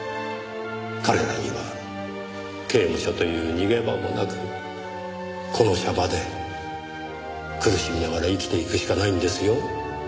彼らには刑務所という逃げ場もなくこの娑婆で苦しみながら生きていくしかないんですよ。